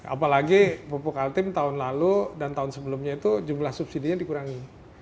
apalagi pupuk altim tahun lalu dan tahun sebelumnya itu jumlah subsidi nya dikurangi